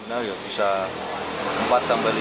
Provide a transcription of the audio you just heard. nah bisa empat sampai lima